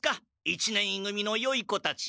一年い組のよい子たち？